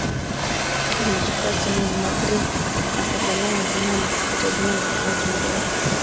Alichukuwa simu ya Magreth na kuangalia majina na kukuta jina la George mlevi